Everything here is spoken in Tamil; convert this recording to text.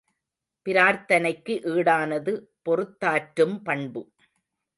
பிரார்த்தனைக்கு ஈடானது பொறுத்தாற்றும் பண்பு.